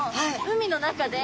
海の中で。